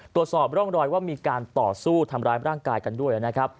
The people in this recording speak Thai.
ตรวจสอบร่องรอยว่ามีการต่อสู้ทำร้ายร่างกายกันด้วยนะครับ